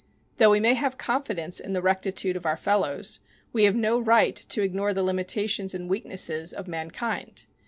Though we may have confidence in the rectitude of our fellows, we have no right to ignore the limitations and weaknesses of mankind.